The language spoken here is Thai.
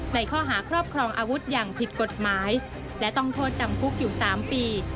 ในข้อหาครอบครองอาวุธอย่างผิดกฎหมายและต้องโทษจำคุกอยู่๓ปี